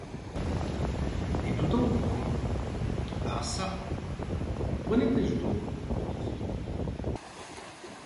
Et tout en courant: — Ah çà, où en étais-je donc? dit-il.